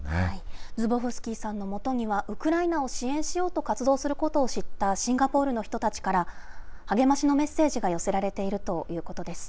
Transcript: ズボフスキーさんのもとには、ウクライナを支援しようと活動することを知ったシンガポールの人たちから、励ましのメッセージが寄せられているということです。